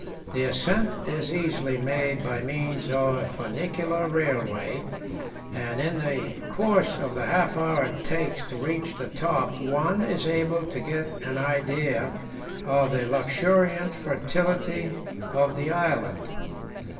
The ascent is easily made by means of a funicular railway, and in the course of the half hour it takes to reach the top one is able to get an idea of the luxuriant fertility of the island.